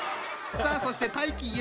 さあそして怪奇！